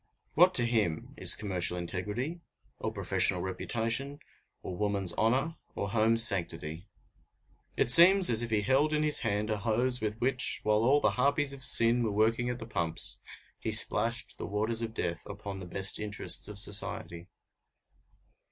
What to him is commercial integrity, or professional reputation, or woman's honor, or home's sanctity? It seems as if he held in his hand a hose with which, while all the harpies of sin were working at the pumps, he splashed the waters of death upon the best interests of society.